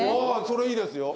それいいですよ